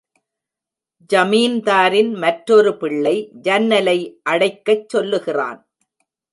ஜமீன்தாரின் மற்றொரு பிள்ளை ஜன்னலை அடைக்கச் சொல்லுகிறான்.